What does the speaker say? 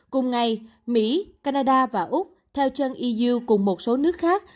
cùng ngày mỹ canada và úc theo chân yu cùng một số nước khác